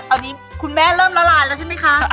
อันนี้คุณแม่เริ่มละลานแล้วใช่ไหมคะ